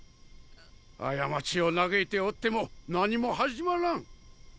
過ちを嘆いておっても何も始まらん。